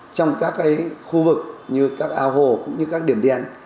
trong các khu vực như các ao hồ cũng như các điểm đen